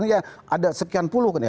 ya ada sekian puluh kan ya